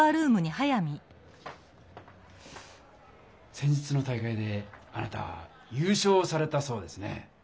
先日の大会であなた優勝されたそうですね。